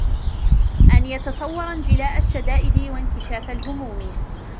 أَنْ يَتَصَوَّرَ انْجِلَاءَ الشَّدَائِدِ وَانْكِشَافَ الْهُمُومِ